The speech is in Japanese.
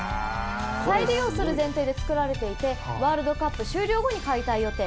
再利用する前提で作られていてワールドカップ終了後に解体予定。